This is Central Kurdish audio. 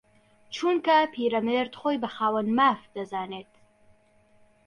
چونکە پیرەمێرد خۆی بە خاوەن ماف دەزانێت